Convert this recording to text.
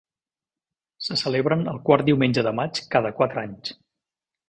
Se celebren el quart diumenge de maig cada quatre anys.